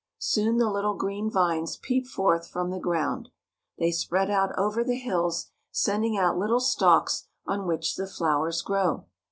Soon the little green vines peep forth from the ground. They spread out over the hills, sending out Httle stalks on which the flowers grow.